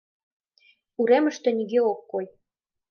Уремыште нигӧ ок кой.